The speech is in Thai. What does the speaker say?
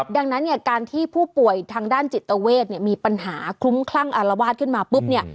ดังนั้นเนี่ยการที่ผู้ป่วยทางด้านจิตเวทเนี่ยมีปัญหาคลุ้มคลั่งอารวาสขึ้นมาปุ๊บเนี่ย